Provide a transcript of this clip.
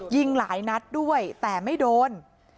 ยิงหลายนัดด้วยแต่ไม่โดน